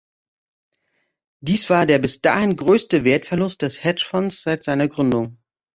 Dies war der bis dahin größte Wertverlust des Hedgefonds seit seiner Gründung.